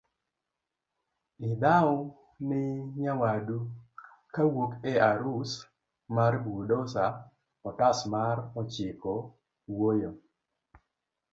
idhau ni nyawadu kowuok e arus mar buldoza otas mar ochiko wuoyo